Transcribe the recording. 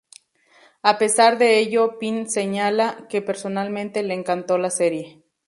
A pesar de ello, Pine señala que personalmente le encantó la serie.